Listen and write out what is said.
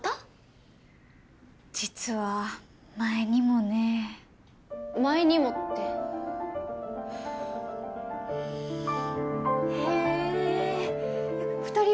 実は前にもね前にもって？へえー２人分手作り？